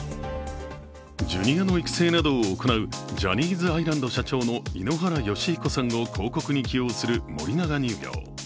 ジュニアの育成などを行うジャニーズアイランド社長の井ノ原快彦さんを広告に起用する森永乳業。